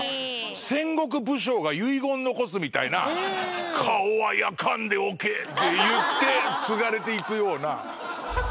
戦国武将が遺言残すみたいな。って言って継がれていくような。